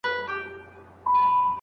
خر هغه دی خو کته یې بدله ده.